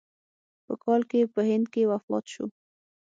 په کال کې په هند کې وفات شو.